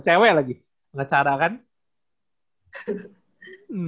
cewek lagi pengacara kan